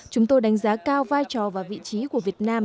chúng tôi đánh giá cao vai trò và vị trí của việt nam